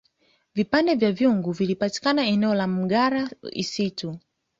vipande vya vyungu vilipatikana eneo la mgala isitu